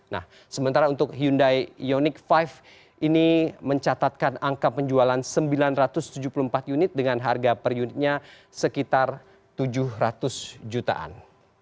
nah sementara untuk hyundai ioniq lima ini mencatatkan angka penjualan sembilan ratus tujuh puluh empat unit dengan harga per unitnya sekitar tujuh ratus jutaan